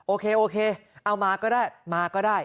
โอเคโอเคเอามาก็ได้มาก็ได้